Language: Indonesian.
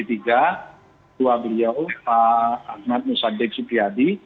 tua beliau pak ahmad musadeq supriyadi